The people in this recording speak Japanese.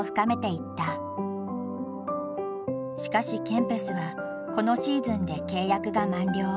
しかしケンペスはこのシーズンで契約が満了。